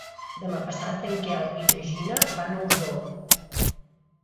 Demà passat en Quel i na Gina van a Osor.